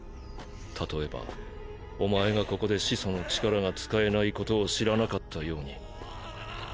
例えばお前がここで始祖の力が使えないことを知らなかったように。